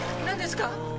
何ですか？